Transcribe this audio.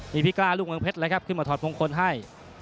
มีพี่กล้าลูกเมืองเพชรเลยครับขึ้นมาถอดมงคลให้